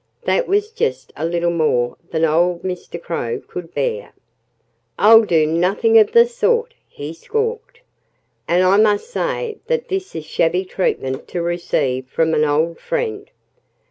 That was just a little more than old Mr. Crow could bear. "I'll do nothing of the sort!" he squawked. "And I must say that this is shabby treatment to receive from an old friend."